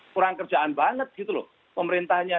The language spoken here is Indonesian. kurang kerjaan banget gitu loh pemerintahnya